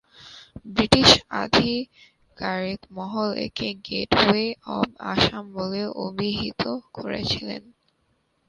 British আধিকারিক মহল একে গেটওয়ে অব আসাম বলেও অভিহিত করেছিলেন।